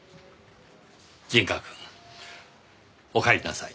陣川くんおかえりなさい。